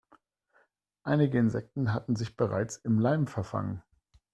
Einige Insekten hatten sich bereits im Leim verfangen.